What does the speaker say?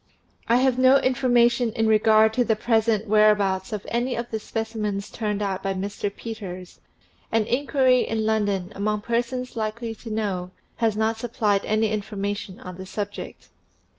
I have no information in regard to the present where abouts of any of the specimens turned out by Mr. Peters, and inquiry in London, among persons likely to know, has not supplied any information on the subject.